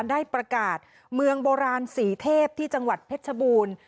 ได้ประกาศเมืองโบราณสีเทพที่จังหวัดเพชรบูรณ์